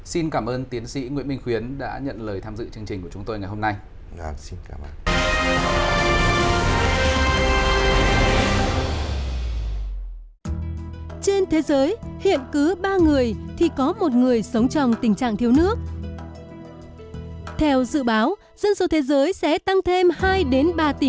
xin cảm ơn tiến sĩ nguyễn minh khuyến đã nhận lời tham dự chương trình của chúng tôi ngày hôm nay